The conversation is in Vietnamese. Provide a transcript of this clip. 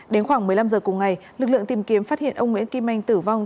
đến khoảng một mươi năm h cùng ngày lực lượng tìm kiếm phát hiện ông nguyễn kim anh tử vong